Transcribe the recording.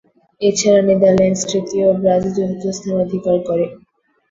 এছাড়া নেদারল্যান্ডস তৃতীয় ও ব্রাজিল চতুর্থ স্থান অধিকার করে।